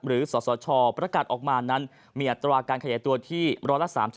หรือสสชประกัดออกมานั้นมีอัตราการขยายตัวที่บร้อยละ๓๒